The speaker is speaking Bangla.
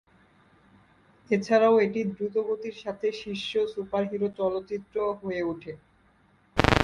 এছাড়াও, এটি দ্রুতগতির সাথে শীর্ষ সুপারহিরো চলচ্চিত্রও হয়ে ওঠে।